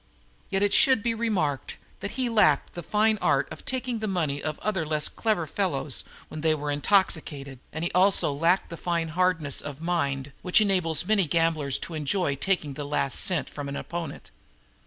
Yet it should be remarked that he lacked the fine art of taking the money of other less clever fellows when they were intoxicated, and he also lacked the fine hardness of mind which enables many gamblers to enjoy taking the last cent from an opponent.